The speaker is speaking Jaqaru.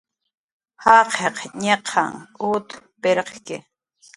Jaqiq ñiqan ut pirqki